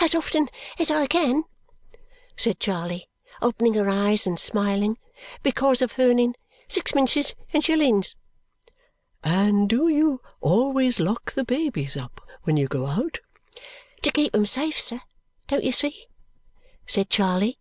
"As often as I can," said Charley, opening her eyes and smiling, "because of earning sixpences and shillings!" "And do you always lock the babies up when you go out?" "To keep 'em safe, sir, don't you see?" said Charley.